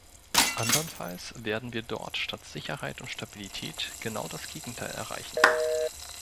Andernfalls werden wir dort statt Sicherheit und Stabilität genau das Gegenteil erreichen.